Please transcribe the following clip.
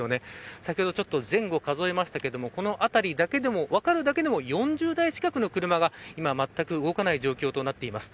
先ほど、前後数えましたけれどもこの辺りだけでも分かるだけでも４０台近くの車が今、まったく動かない状況となっています。